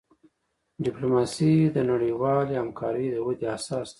ډیپلوماسي د نړیوالی همکاری د ودي اساس دی.